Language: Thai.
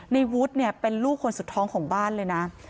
ในวุฒิเนี่ยเป็นลูกคนสุดท้องของบ้านเลยนะ